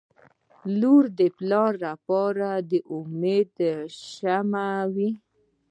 • لور د پلار لپاره د امید شمعه وي.